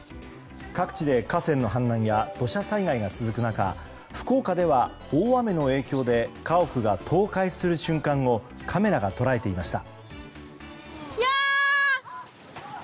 各地で河川の氾濫や土砂災害が続く中福岡では大雨の影響で家屋が倒壊する瞬間をカメラが捉えていました。